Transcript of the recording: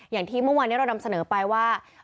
อย่างที่เมื่อวานนี้เรานำเสนอไปว่า